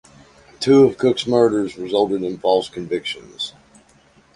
Two of Cooke's murders resulted in false convictions.